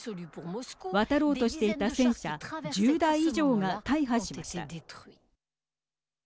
渡ろうとしていた戦車１０台以上が大破しました。